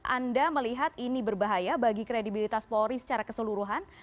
anda melihat ini berbahaya bagi kredibilitas polri secara keseluruhan